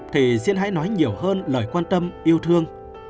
thì duyên hãy nói nhiều hơn lời quan tâm yêu thương